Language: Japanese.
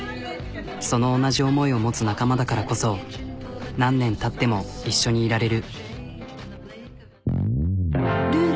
その同じ思いを持つ仲間だからこそ何年たっても一緒にいられる。